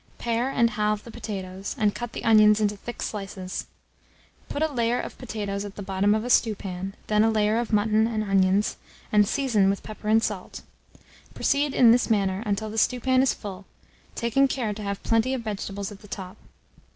Pare and halve the potatoes, and cut the onions into thick slices. Put a layer of potatoes at the bottom of a stewpan, then a layer of mutton and onions, and season with pepper and salt; proceed in this manner until the stewpan is full, taking care to have plenty of vegetables at the top.